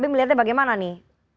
pkb melihatnya bagaimana nih